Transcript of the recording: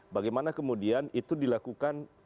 bagaimana kemudian itu dilakukan